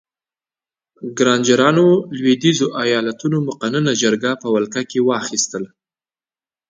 ګرانجرانو لوېدیځو ایالتونو مقننه جرګې په ولکه کې واخیستې.